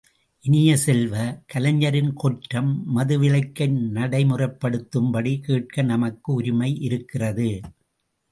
இனிய செல்வ, கலைஞரின் கொற்றம் மதுவிலக்கை நடைமுறைப்படுத்தும்படி கேட்க நமக்கு உரிமை இருக்கிறது!